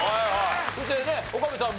そしてね岡部さんも。